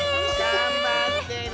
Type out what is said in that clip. がんばってね。